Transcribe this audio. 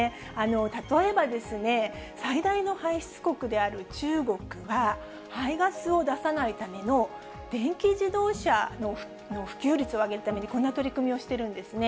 例えば最大の排出国である中国は、排ガスを出さないための電気自動車の普及率を上げるために、こんな取り組みをしてるんですね。